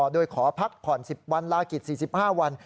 โดยขอพักผ่อน๑๐วันลากิจ๔๕วัน